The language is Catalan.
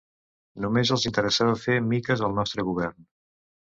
Només els interessava fer miques el nostre govern.